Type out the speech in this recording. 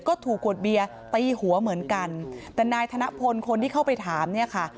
ก็ถูกขวดเบียร์ตีหัวเหมือนกันแต่นายธนพลคนที่เข้าไปถามเนี่ยค่ะ